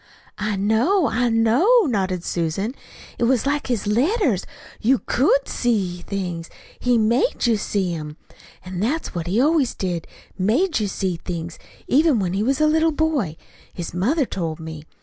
"I know, I know," nodded Susan. "It was like his letters you could SEE things. He MADE you see 'em. An' that's what he always did made you see things even when he was a little boy. His mother told me.